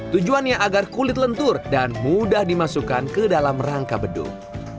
tujuannya agar kulit lentur dan mudah dimasukkan ke dalam rangka beduk